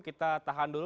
kita tahan dulu